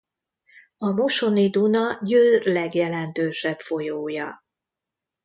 A Mosoni-Duna Győr legjelentősebb folyója.